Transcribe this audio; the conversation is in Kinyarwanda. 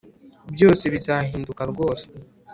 ´ byose bizahinduka rwose